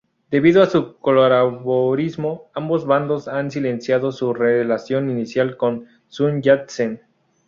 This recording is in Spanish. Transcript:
Debido a su "colaboracionismo", ambos bandos han silenciado su relación inicial con Sun Yat-sen.